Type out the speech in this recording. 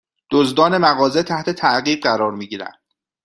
دزدان مغازه تحت تعقیب قرار می گیرند